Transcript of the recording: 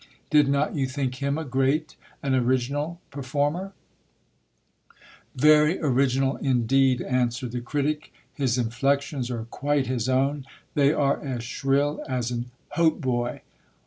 Did not you think him a great an original 96 GIL BLAS. performer ? Very original, indeed, answered the critic ; his inflections are quite his own, they are as shrill as an hautboy.